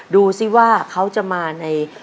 ดูสิว่าเขาจะมาใน